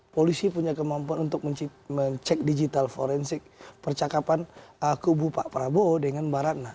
polisi punya kemampuan untuk mencek digital forensik percakapan kubu pak prabowo dengan mbak ratna